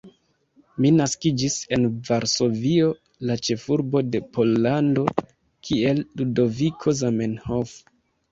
Mi naskiĝis en Varsovio, la ĉefurbo de Pollando kiel Ludoviko Zamenhof.